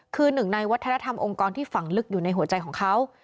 คือหนึ่งในวัฒนธรรมองค์กรที่ฝังลึกอยู่ในหัวใจของเขา